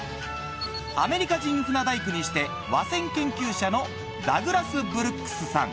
アメリカ人船大工にして和船研究者のダグラス・ブルックスさん